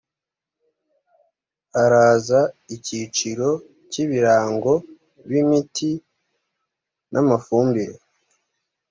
haraza icyiciro cy’ ibirango b ‘imiti n’amafumbire.